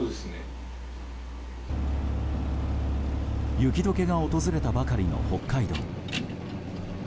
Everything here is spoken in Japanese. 雪解けが訪れたばかりの北海道。